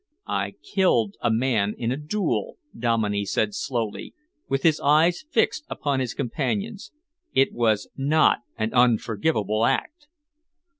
"I killed a man in a duel," Dominey said slowly, with his eyes fixed upon his companion's. "It was not an unforgivable act."